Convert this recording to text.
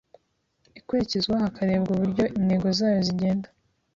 ikurikizwa hakarebwa uburyo intego zayo zigenda